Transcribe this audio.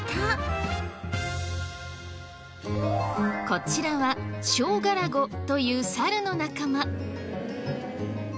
こちらはショウガラゴという猿の仲間。